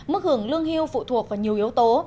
mức hưởng lương hưu phụ thuộc vào nhiều yếu tố